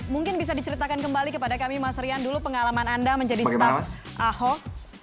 mungkin bisa diceritakan kembali kepada kami mas rian dulu pengalaman anda menjadi staf ahok